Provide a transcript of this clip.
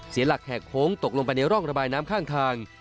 เสียหลักแหกโค้งตกลงไปในร่องระบายน้ำข้างทาง